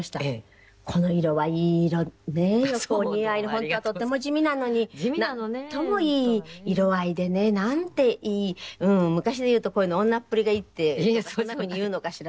本当はとても地味なのになんともいい色合いでね。なんていい昔で言うとこういうの女っぷりがいいとかそんな風に言うのかしらね？